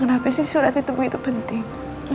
kenapa sih surat itu begitu penting